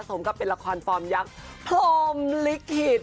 สมกับเป็นละครฟอร์มยักษ์พรมลิขิต